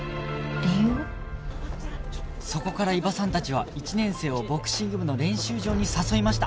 そこから伊庭さんたちは１年生をボクシング部の練習場に誘いました